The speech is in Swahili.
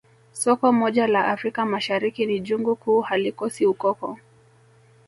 Soko moja la Afrika Mashariki ni jungu kuu halikosi ukoko